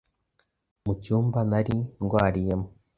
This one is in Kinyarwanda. Mu cyumba nari ndwariyemo